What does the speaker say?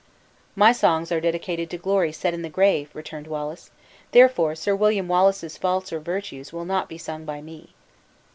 "My songs are dedicated to glory set in the grave," returned Wallace, "therefore Sir William Wallace's faults or virtues will not be sung by me."